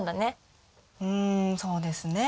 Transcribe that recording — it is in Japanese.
うんそうですね。